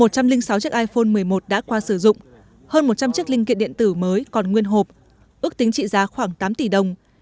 một trăm linh sáu chiếc iphone một mươi một đã qua sử dụng hơn một trăm linh chiếc linh kiện điện tử mới còn nguyên hộp ước tính trị giá khoảng tám tỷ đồng